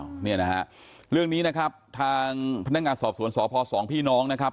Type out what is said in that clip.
เนี่ยนะฮะเรื่องนี้นะครับทางพนักงานสอบสวนสพสองพี่น้องนะครับ